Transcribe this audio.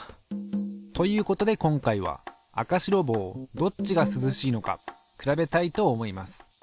ということで今回は赤白帽どっちが涼しいのか比べたいと思います。